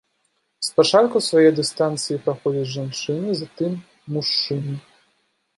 Спачатку свае дыстанцыі праходзяць жанчыны, затым мужчыны.